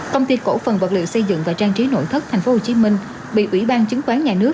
công ty cổ phần vật liệu xây dựng và trang trí nội thất tp hcm bị ủy ban chứng khoán nhà nước